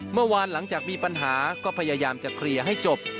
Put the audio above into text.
หลังจากมีปัญหาก็พยายามจะเคลียร์ให้จบ